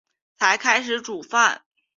才开始煮饭